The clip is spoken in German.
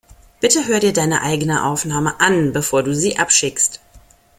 Bitte hör dir deine eigene Aufnahme an, bevor du sie abschickst.